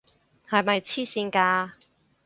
係咪癡線㗎？